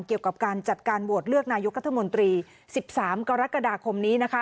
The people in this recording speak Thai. เกี่ยวกับการจัดการโหวตเลือกนายกรัฐมนตรี๑๓กรกฎาคมนี้นะคะ